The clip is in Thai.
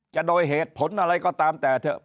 จะโดยเหตุผลอะไรก็ตามแต่เถอะ